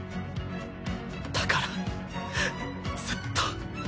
だからずっと。